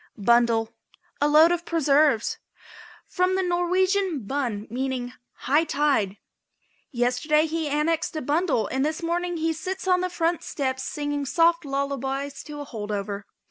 BUNDLE. A load of preserves. From the Norwegian bun, meaning high tide. "Yesterday he annexed a bundle and this morning he sits on the front steps singing soft lullabies to a hold over."